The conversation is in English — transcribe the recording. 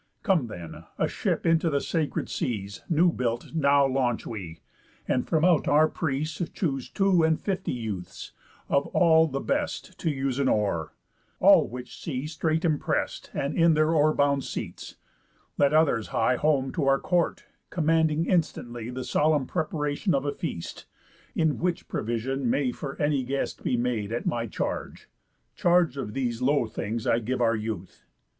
Come then, a ship into the sacred seas, New built, now launch we; and from out our prease Choose two and fifty youths, of all, the best To use an oar. All which see straight imprest, And in their oar bound seats. Let others hie Home to our court, commanding instantly The solemn preparation of a feast, In which provision may for any guest Be made at my charge. Charge of these low things I give our youth.